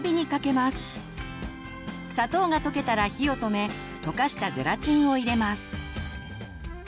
砂糖が溶けたら火を止め溶かしたゼラチンを入れます。